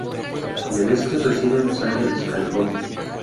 Levesque reside en Los Ángeles, California.